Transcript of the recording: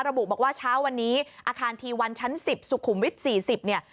ระบุบอกว่าเช้าวันนี้อาคารทีวันชั้น๑๐สุขุมวิทย์๔๐เนี่ย